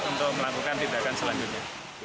kita akan melakukan tindakan selanjutnya